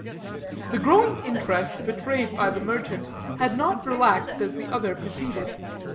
The growing interest betrayed by the merchant had not relaxed as the other proceeded.